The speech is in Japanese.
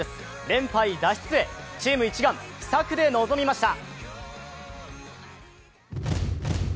連敗脱出へ、チーム一丸奇策で臨みました。